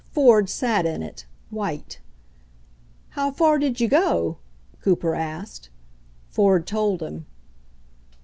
Ford sat in it, white. "How far did you go?" Cooper asked. Ford told him.